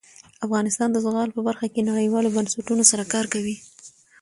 افغانستان د زغال په برخه کې نړیوالو بنسټونو سره کار کوي.